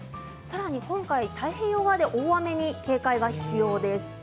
さらに今回、太平洋側で大雨に警戒が必要です。